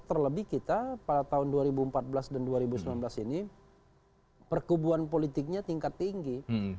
terlebih kita pada tahun dua ribu empat belas dan dua ribu sembilan belas ini perkubuan politiknya tingkat tinggi